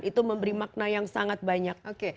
itu memberi makna yang sangat banyak